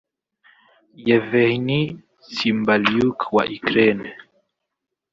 Yevhenii Tsymbaliuk wa Ukraine